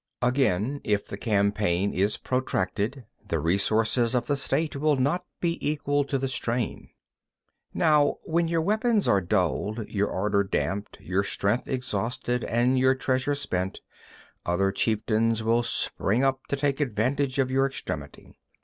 3. Again, if the campaign is protracted, the resources of the State will not be equal to the strain. 4. Now, when your weapons are dulled, your ardour damped, your strength exhausted and your treasure spent, other chieftains will spring up to take advantage of your extremity.